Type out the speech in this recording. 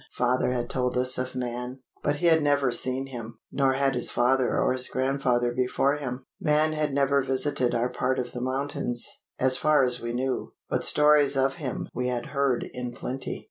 Father had told us of man, but he had never seen him; nor had his father or his grandfather before him. Man had never visited our part of the mountains, as far as we knew, but stories of him we had heard in plenty.